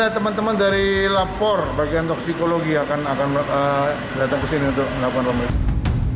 teman teman dari lapor bagian toksikologi akan datang ke sini untuk melakukan pemeriksaan